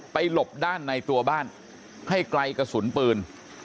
หลบด้านในตัวบ้านให้ไกลกระสุนปืน